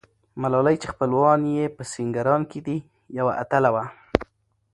ملالۍ چې خپلوان یې په سینګران کې دي، یوه اتله وه.